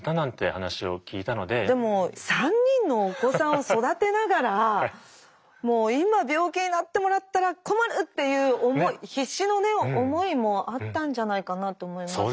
でも３人のお子さんを育てながらもう今病気になってもらったら困るっていう思い必死のね思いもあったんじゃないかなと思いますね。